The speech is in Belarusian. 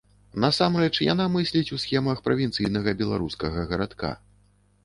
Насамрэч, яна мысліць у схемах правінцыйнага беларускага гарадка.